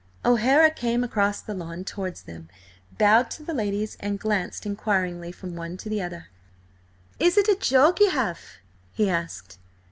O'Hara came across the lawn towards them, bowed to the ladies, and glanced inquiringly from one to the other. "Is it a joke ye have?" he asked.